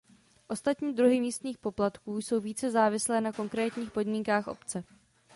Ostatní druhy místních poplatků jsou více závislé na konkrétních podmínkách obce.